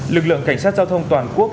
lực lượng cảnh sát giao thông toàn quốc